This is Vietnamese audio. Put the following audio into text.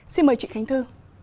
xin mời chị khánh thư